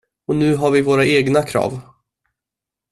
Och nu har vi våra egna krav.